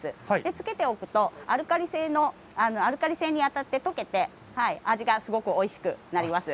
つけておくとアルカリ性に当たって溶けて、味がすごくおいしくなります。